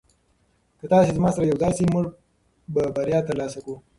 که تاسي زما سره یوځای شئ موږ به بریا ترلاسه کړو.